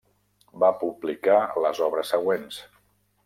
Va publicar les obres següents.